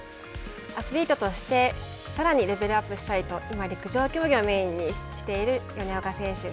アスリートとしてさらにレベルアップしたいと今、陸上競技をメインにしている米岡選手。